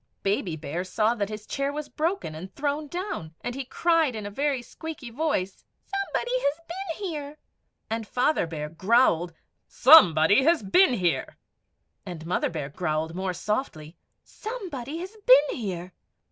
Baby Bear saw that his chair was broken and thrown down, and he cried in a very squeaky voice, "SOMEBODY HAS BEEN HERE;" and Father Bear growled, "SOMEBODY HAS BEEN HERE;" And Mother Bear growled, more softly, "SOMEBODY HAS BEEN HERE."